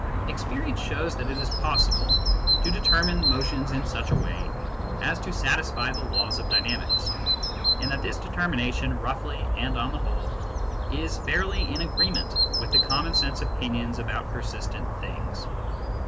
Experience shows that it is possible to determine motions in such a way as to satisfy the laws of dynamics, and that this determination, roughly and on the whole, is fairly in agreement with the common sense opinions about per sistent things.